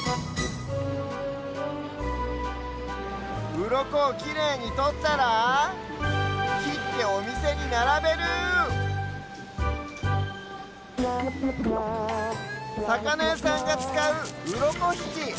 うろこをきれいにとったらきっておみせにならべるさかなやさんがつかううろこひき